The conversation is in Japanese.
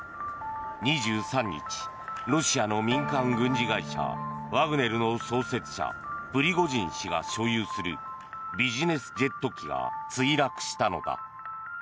２３日、ロシアの民間軍事会社ワグネルの創設者プリゴジン氏が所有するビジネスジェット機が墜落したのだ。